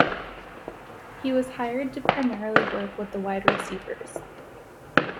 He was hired to primarily work with the wide receivers.